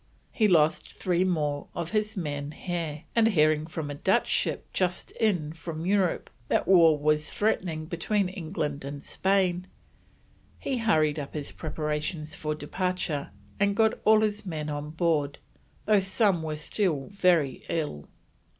He lost three more of his men here, and hearing from a Dutch ship just in from Europe that war was threatening between England and Spain, he hurried up his preparations for departure and got all his men on board, though some were still very ill.